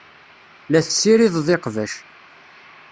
La tessirideḍ iqbac.